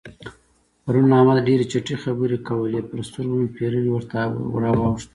پرون احمد ډېرې چټي خبرې کول؛ پر سترګو مې پېروي ورته راواوښتل.